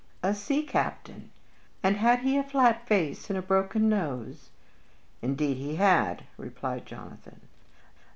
"A sea captain!" she exclaimed; "and had he a flat face and a broken nose?" "Indeed he had," replied Jonathan.